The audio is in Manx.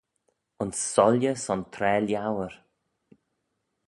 Ayns soylley son tra liauyr.